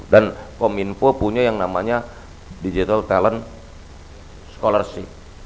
dan kominfo punya yang namanya digital talent scholarship